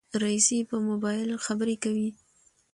رئيسې په موبایل خبرې کولې.